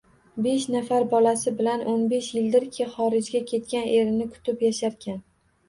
Besh nafar bolasi bilan o‘n besh yildirki xorijga ketgan erini kutib yasharkan